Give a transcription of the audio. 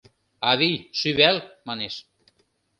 — Авий, шӱвал, — манеш.